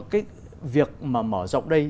cái việc mà mở rộng đây